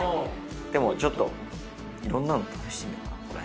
でもちょっといろんなの試してみようかな。